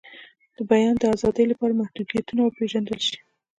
د بیان د آزادۍ لپاره محدودیتونه وپیژندل شي.